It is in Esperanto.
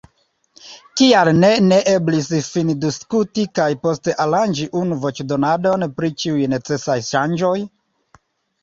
Kial ne ne eblis findiskuti kaj poste aranĝi unu voĉdonadon pri ĉiuj necesaj ŝanĝoj?